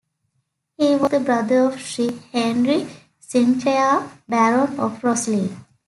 He was the brother of Sir Henry Sinclair, baron of Roslin.